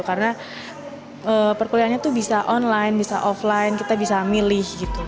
karena perkuliannya tuh bisa online bisa offline kita bisa milih gitu